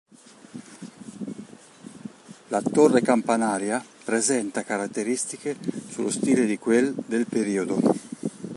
La torre campanaria, presenta caratteristiche sullo stile di quel del periodo.